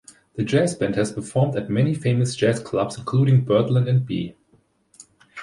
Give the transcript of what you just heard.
The Jazz Band has performed at many famous jazz clubs including Birdland and B.